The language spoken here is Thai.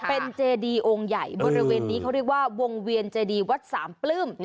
เป็นเจดีองค์ใหญ่บริเวณนี้เขาเรียกว่าวงเวียนเจดีวัดสามปลื้ม